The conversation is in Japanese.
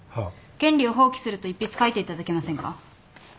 「権利を放棄する」と一筆書いていただけませんか？